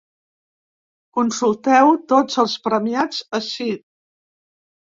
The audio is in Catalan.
Consulteu tots els premiats ací.